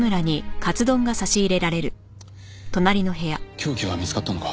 凶器は見つかったのか？